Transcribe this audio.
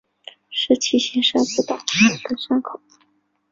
是七星山步道的登山口。